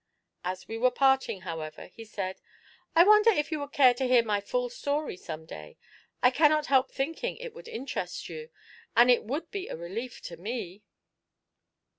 As we were parting, however, he said, 'I wonder if you would care to hear my full story some day? I cannot help thinking it would interest you, and it would be a relief to me.'